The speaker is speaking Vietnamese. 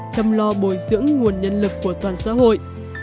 chăm lo bồi dưỡng nguồn nhân lực của toàn xã hội